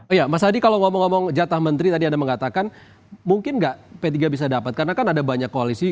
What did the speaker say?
iya mas hadi kalau ngomong ngomong jatah menteri tadi anda mengatakan mungkin nggak p tiga bisa dapat karena kan ada banyak koalisi